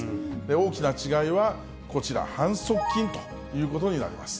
大きな違いは、こちら、反則金ということになります。